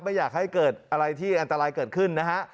ไม่อยากให้เกิดอะไรที่อันตรายเกิดขึ้นนะฮะ